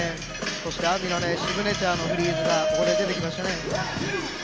そしてＡＭＩのシグネチャーのフリーズがここで出てきましたね。